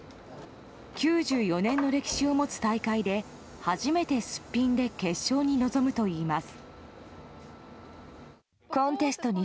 ９４年の歴史を持つ大会で初めてすっぴんで決勝に臨むといいます。